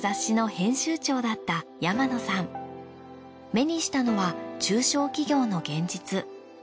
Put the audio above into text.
目にしたのは中小企業の現実。